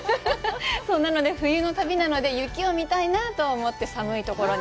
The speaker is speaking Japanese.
なので、冬の旅なので、雪を見たいなと思って寒いところに。